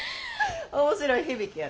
面白い響きやろ？